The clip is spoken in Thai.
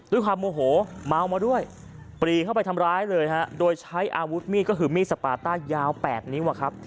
ด้วยความโมโหเมามาด้วยปรีเข้าไปทำร้ายเลยฮะโดยใช้อาวุธมีดก็คือมีดสปาต้ายาว๘นิ้วอะครับ